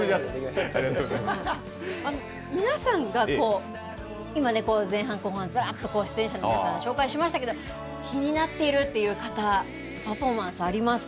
皆さんが今ね、前半後半、ずらっと出演者の皆さん、紹介しましたけど、気になっているっていう方、パフォーマンス、ありますか。